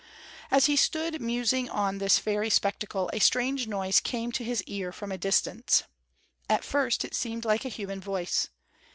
As he stood musing on this fairy spectacle, a strange noise came to his ear from a distance. At first it seemed like a human voice.